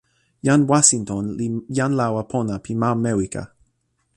jan Wasinton li jan lawa pona pi ma Mewika.